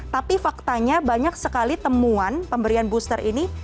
tapi faktanya banyak sekali temuan pemberian booster ini